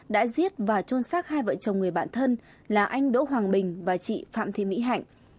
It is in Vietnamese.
đã giết và trôn sát hai vợ chồng người bạn thân là anh đỗ hoàng bình và chị phạm thị mỹ hạnh